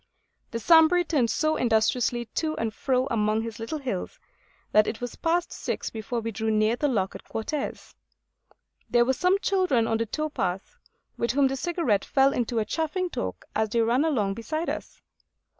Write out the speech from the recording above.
The Sambre turned so industriously to and fro among his little hills, that it was past six before we drew near the lock at Quartes. There were some children on the tow path, with whom the Cigarette fell into a chaffing talk as they ran along beside us.